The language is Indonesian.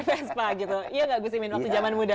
vespa gitu iya nggak gus imin waktu zaman muda